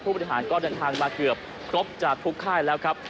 บริหารก็เดินทางมาเกือบครบจากทุกค่ายแล้วครับ